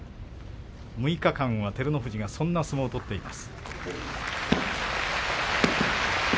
６日間は照ノ富士がそんな相撲を取っています。